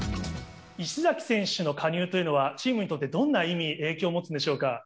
石崎選手の加入というのは、チームにとってどんな意味、影響を持つんでしょうか？